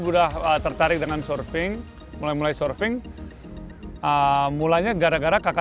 dan saya amat berani berharga